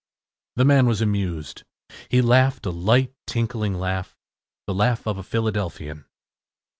The man was amused. He laughed a light tinkling laugh, the laugh of a Philadelphian.